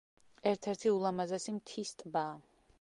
ერთ-ერთი ულამაზესი მთის ტბაა.